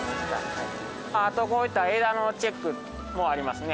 あとこういった枝のチェックもありますね。